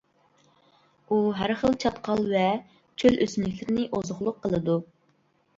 ئۇ ھەر خىل چاتقال ۋە چۆل ئۆسۈملۈكلىرىنى ئوزۇقلۇق قىلىدۇ.